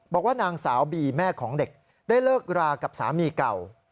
บอกว่านางสาวบีแม่ของเด็กได้เลิกรากับสามีเก่า